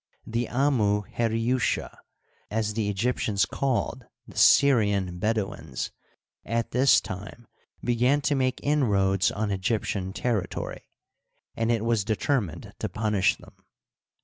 The Amu Heriuska, as the Egyptians called the Syrian Bedouins, at this time began to make inroads on Egyptian territory, and it was determined to punish them.